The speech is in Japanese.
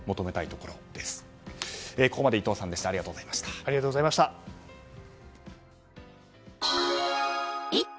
ここまで伊藤さんでした。